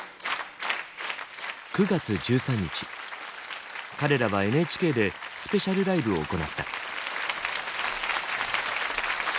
９月１３日彼らはＮＨＫでスペシャルライブを行った。